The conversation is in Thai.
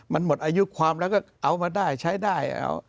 มันหมดอายุความแล้วก็เอามาได้ใช้ได้